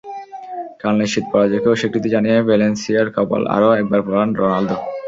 কাল নিশ্চিত পরাজয়কে অস্বীকৃতি জানিয়ে ভ্যালেন্সিয়ার কপাল আরও একবার পোড়ান রোনালদো।